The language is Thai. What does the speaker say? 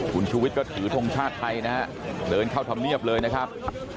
คุณชูวิทย์ก็ถือทงชาติไทยนะฮะเดินเข้าธรรมเนียบเลยนะครับ